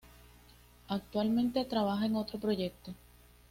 Actualmente trabaja en otro proyecto.